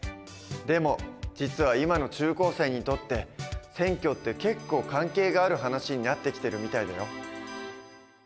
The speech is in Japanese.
でも実は今の中高生にとって選挙って結構関係がある話になってきてるみたいだよ。